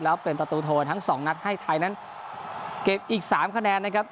แล้วเป็นประตูโทนทั้งสองนัดให้ไทยนั้นเก็บอีก๓คะแนนนะครับ